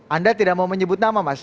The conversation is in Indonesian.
anda tidak mau menyebut nama mas